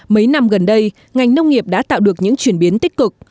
mấy năm gần đây ngành nông nghiệp đã tạo được những chuyển biến tích cực